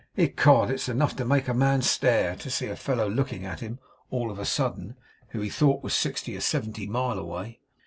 Ecod! it's enough to make a man stare, to see a fellow looking at him all of a sudden, who he thought was sixty or seventy mile away.